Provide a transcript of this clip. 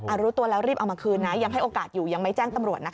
รู้ตัวแล้วรีบเอามาคืนนะยังให้โอกาสอยู่ยังไม่แจ้งตำรวจนะคะ